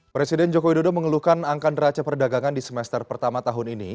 presiden joko widodo mengeluhkan angka neraca perdagangan di semester pertama tahun ini